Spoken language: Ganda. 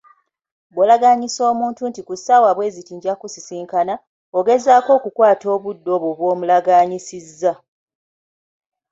Bw'olagaanyisa omuntu nti ku ssaawa bwe ziti nja kukusisinkana, ogezaako okukukwata obudde obwo bw'omulaganyiisizza?